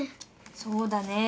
そうだね。